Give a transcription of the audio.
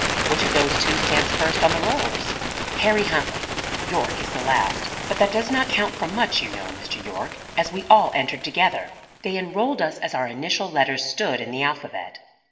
"Which of those two stands first on the rolls?" "Harry Huntley. Yorke is the last. But that does not count for much, you know, Mr. Yorke, as we all entered together. They enrolled us as our initial letters stood in the alphabet."